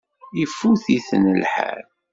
Ifut-iten lḥal.